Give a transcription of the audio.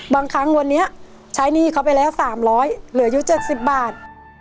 บางครั้งวันนี้ใช้หนี้เขาไปแล้ว๓๐๐เหลืออยู่๗๐บาท